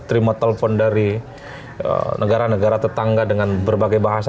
terima telepon dari negara negara tetangga dengan berbagai bahasa